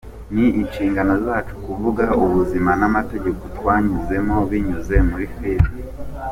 Ni inshingano zacu kuvuga ubuzima n’amateka twanyuzemo binyuze muri filime.